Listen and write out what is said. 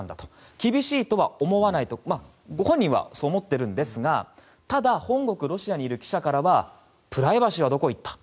厳しいとは思わないとご本人はそう思っているんですがただ、本国ロシアにいる記者からはプライバシーはどこへ行った。